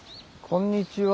こんにちは。